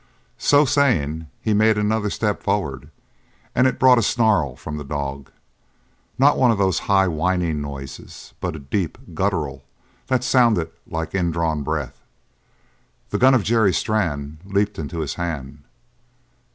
So saying he made another step forward, and it brought a snarl from the dog; not one of those high whining noises, but a deep guttural that sounded like indrawn breath. The gun of Jerry Strann leaped into his hand.